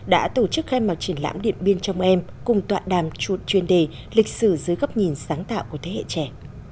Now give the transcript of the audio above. đã tổ chức khai mạc triển lãm điện biên trong em cùng tọa đàm chuyên đề lịch sử dưới góc nhìn sáng tạo của thế hệ trẻ